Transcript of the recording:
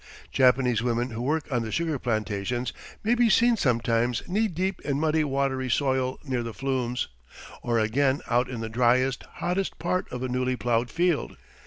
Japanese women who work on the sugar plantations may be seen sometimes knee deep in muddy watery soil near the flumes, or again out in the driest, hottest part of a newly plowed field.